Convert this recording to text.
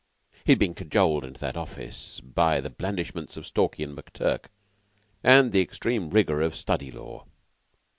He had been cajoled into that office by the blandishments of Stalky and McTurk and the extreme rigor of study law.